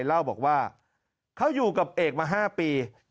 เล่าบอกว่าเขาอยู่กับเอกมา๕ปี